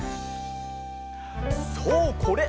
そうこれ！